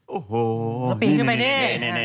โอ้โฮดูบินขึ้นไปนี่